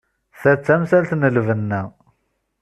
Ta d tamsalt n lbenna.